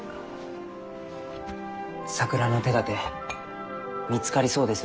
桜の手だて見つかりそうです